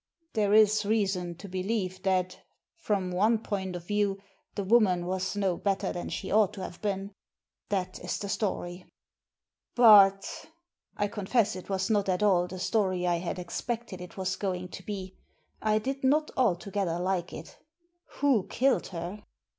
"There is reason to believe that, from one point of view, the woman was no better than she ought to have been. That is the story." "But" — I confess it was not at all the story I had expected it was going to be; I did not altogether like it— "who killed her?"